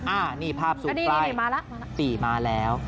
อ้าวนี่ภาพสูตรใกล้ปี่มาแล้ว